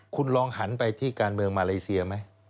คุณลองหันไปที่การเมืองมาเลเซียไหม